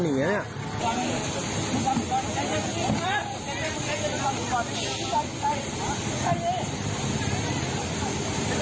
มีของมีของ